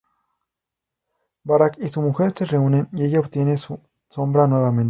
Barak y su mujer se reúnen y ella obtiene su sombra nuevamente.